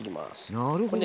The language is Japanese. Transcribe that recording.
なるほどね。